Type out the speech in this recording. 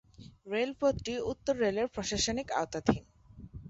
রেলপথটি উত্তর রেলের প্রশাসনিক আওতাধীন।